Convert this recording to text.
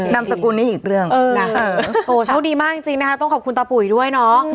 นามสกุลนี้อีกเรื่องนะโอ้โชคดีมากจริงนะคะต้องขอบคุณตาปุ๋ยด้วยเนาะ